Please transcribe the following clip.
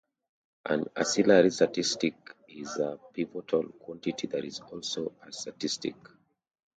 An ancillary statistic is a pivotal quantity that is also a statistic.